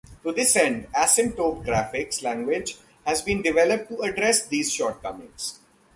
To this end, the Asymptote graphics language has been developed to address these shortcomings.